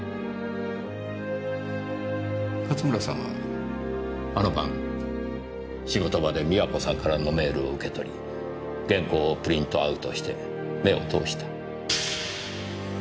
勝村さんはあの晩仕事場で美和子さんからのメールを受け取り原稿をプリントアウトして目を通した。